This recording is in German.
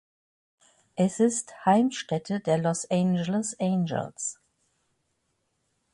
Es ist Heimstätte der Los Angeles Angels.